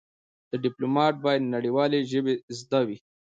د ډيپلومات بايد نړېوالې ژبې زده وي.